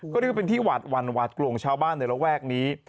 ก็เรียกว่าเป็นที่หวาดหวั่นหวาดกลัวชาวบ้านในระแวกนี้